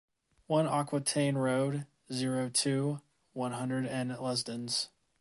One Aquitaine road, zero two, one hundred in Lesdins.